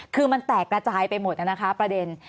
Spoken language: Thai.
คือมันแตกกระจายไปหมดนะคะประเด็น